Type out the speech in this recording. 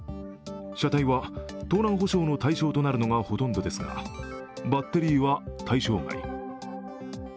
車体は、盗難補償の対象となるのがほとんどですがバッテリーは対象外。